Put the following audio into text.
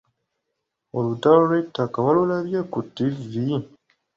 Olutalo lw’ettaka walulabye ku ttivvi?